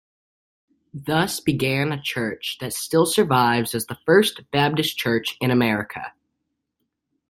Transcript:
Thus began a church that still survives as the First Baptist Church in America.